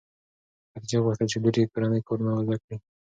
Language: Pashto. خدیجې غوښتل چې لور یې کورني کارونه زده کړي.